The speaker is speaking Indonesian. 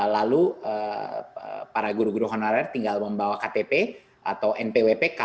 lalu para guru guru honorer tinggal mencari dokumen yang harus diunduh sama di print lalu ditandatangan